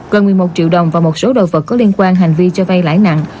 gần một mươi một triệu đồng và một số đồ vật có liên quan hành vi cho vay lãi nặng